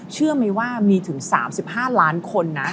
เชื่อไหมว่ามีถึง๓๕ล้านคนนะ